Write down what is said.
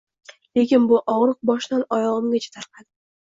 keyin bu ogʻriq boshdan oyogʻimgacha tarqadi.